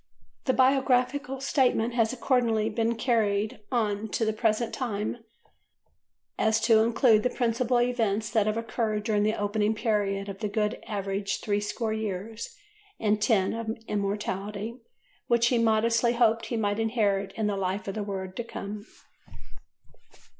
The Biographical Statement has accordingly been carried on to the present time so as to include the principal events that have occurred during the opening period of the "good average three score years and ten of immortality" which he modestly hoped he might inherit in the life of the world to come.